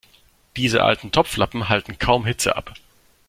Diese alten Topflappen halten kaum Hitze ab.